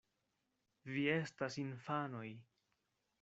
Vi estas infanoj.